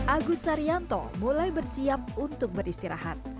agus saryanto mulai bersiap untuk beristirahat